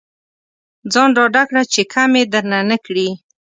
ځان ډاډه کړه چې کمې درنه نه کړي.